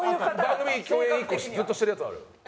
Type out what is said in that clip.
番組共演１個ずっとしてるやつあるよ。